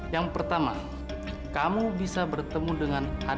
yang pertama kamu bisa bertemu dengan adik